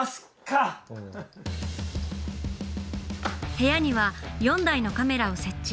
部屋には４台のカメラを設置。